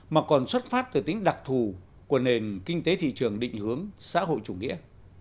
mà còn xuất phát từ tính đặc thù của nền kinh tế thị trường định hướng xã hội chủ nghĩa